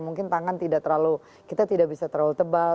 mungkin tangan tidak terlalu kita tidak bisa terlalu tebal